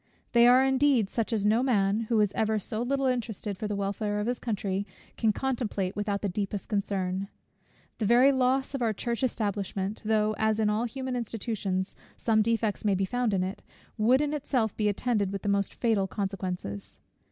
They are indeed such as no man, who is ever so little interested for the welfare of his country, can contemplate without the deepest concern. The very loss of our church establishment, though, as in all human institutions, some defects may be found in it, would in itself be attended with the most fatal consequences.